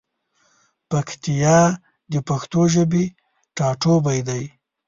پکتیا د پښتو ژبی ټاټوبی دی.